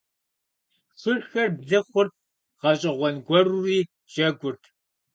Шырхэр блы хъурт, гъэщӀэгъуэн гуэрури джэгурт.